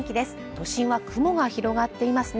都心は雲が広がっていますね